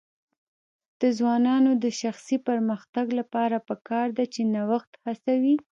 د ځوانانو د شخصي پرمختګ لپاره پکار ده چې نوښت هڅوي.